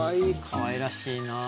かわいらしいなあ。